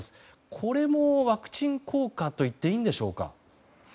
これもワクチン効果といっていいんでしょうか？